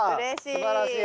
すばらしい。